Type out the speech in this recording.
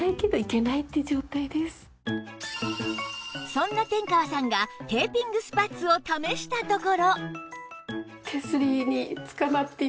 そんな天川さんがテーピングスパッツを試したところ